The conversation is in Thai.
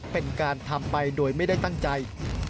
เป็นการทำไปโดยไม่ได้ตั้งใจ